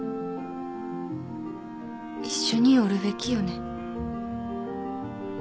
一緒におるべきよね。